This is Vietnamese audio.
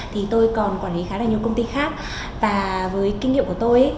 thì tôi còn quản lý khá là nhiều công ty khác và với kinh nghiệm của tôi